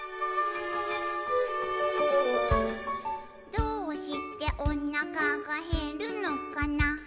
「どうしておなかがへるのかな」